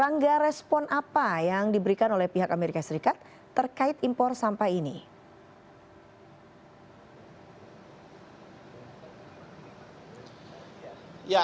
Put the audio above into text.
angga respon apa yang diberikan oleh pihak amerika serikat terkait impor sampah ini